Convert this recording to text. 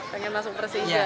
pengen masuk persija